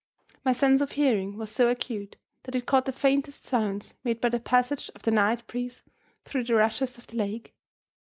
My sense of hearing was so acute that it caught the faintest sounds made by the passage of the night breeze through the rushes of the lake.